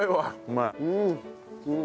うまい。